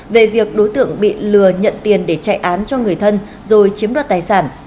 về việc đối tượng bị lừa nhận tiền để chạy án cho người thân rồi chiếm đoạt tài sản